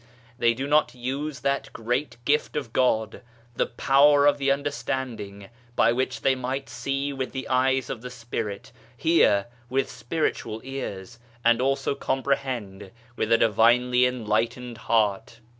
They do not use that great gift of God, the power of the understanding, by which they might see with the eyes of the Spirit, hear with Spiritual ears and also comprehend with a Divinely enlightened heart.